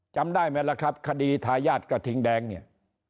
จำได้ไหมล่ะครับคดีทายาทกระทิงแดงเนี่ย